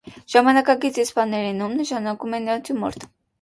Ժամանակակից իսպաներենում նշանակում է «նատյուրմորտ»։